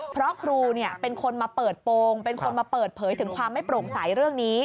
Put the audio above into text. เพราะครูเป็นคนมาเปิดโปรงเป็นคนมาเปิดเผยถึงความไม่โปร่งใสเรื่องนี้